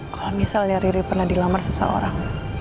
kalau misalnya riri pernah dilamar seseorang